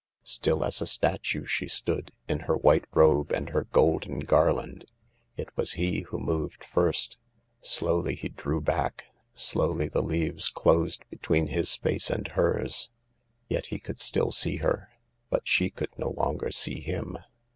Still as a statue she stood, in her white robe and her golden garland. It was he who moved first. Slowly he drew back, slowly the leaves closed between his face and hers. Yet he could still see her, but she could no longer see him.